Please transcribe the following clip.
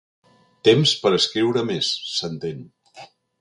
Temps per escriure més, s'entén.